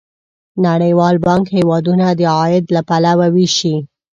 نړیوال بانک هیوادونه د عاید له پلوه ویشي.